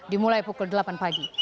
dimulai pukul sepuluh tiga puluh pagi